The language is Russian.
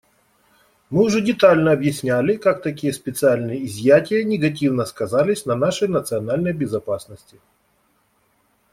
Мы уже детально объясняли, как такие специальные изъятия негативно сказались на нашей национальной безопасности.